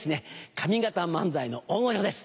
上方漫才の大御所です。